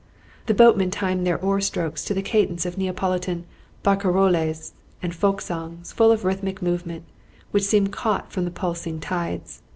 The boatmen timed their oar strokes to the cadence of Neapolitan barcaroles and folk songs, full of rhythmic movement, which seemed caught from the pulsing tides.